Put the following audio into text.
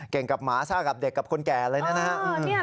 เก่งกับหมาช่างกับเด็กกับคนแก่เลยนะครับ